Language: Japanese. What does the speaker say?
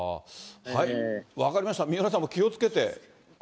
分かりました、三浦さんも気をつけて。